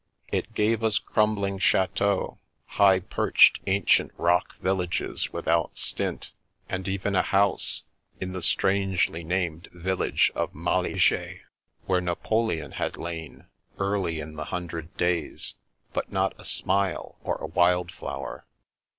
It gave us crumbling chateaux, high perched ancient rock villages without stint, and even a house ( in the strangely named village of Malijai) where Napoleon had lain, early in the Hundred Days ; but not a smile or a wild flower.